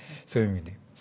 そういう意味で。